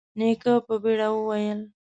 نيکه په بيړه وويل: